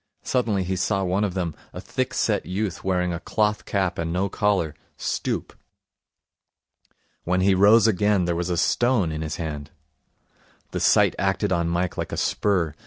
Suddenly he saw one of them, a thick set youth wearing a cloth cap and no collar, stoop. When he rose again there was a stone in his hand. The sight acted on Mike like a spur.